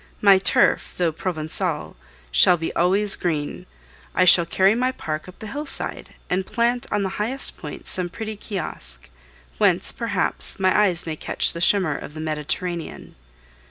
My turf, though Provencal, shall be always green. I shall carry my park up the hillside and plant on the highest point some pretty kiosque, whence, perhaps, my eyes may catch the shimmer of the Mediterranean.